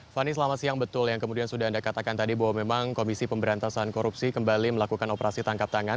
fani selamat siang betul yang kemudian sudah anda katakan tadi bahwa memang komisi pemberantasan korupsi kembali melakukan operasi tangkap tangan